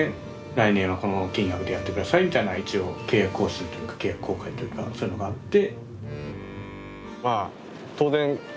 来年はこの金額でやって下さいみたいな一応契約更新というか契約更改というかそういうのがあって。